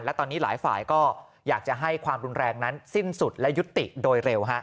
และตอนนี้หลายฝ่ายก็อยากจะให้ความรุนแรงนั้นสิ้นสุดและยุติโดยเร็ว